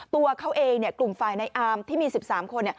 ตัวเขาเองกลุ่มฝ่ายในอามที่มี๑๓คน